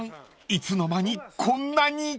いつの間にこんなに！］